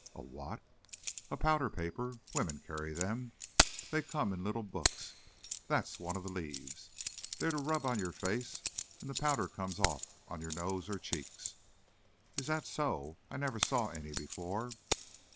"A what?" "A powder paper. Women carry them, they come in little books. That's one of the leaves. They're to rub on your face, and the powder comes off on your nose or cheeks." "Is that so? I never saw any before."